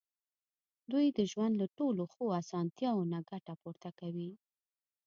دوی د ژوند له ټولو ښو اسانتیاوو نه ګټه پورته کوي.